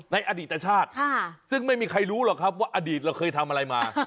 ในอดีตชาติซึ่งไม่มีใครรู้หรอกครับว่าอดีตเราเคยทำอะไรมา